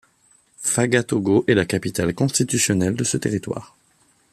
Fagatogo est la capitale constitutionnelle de ce territoire.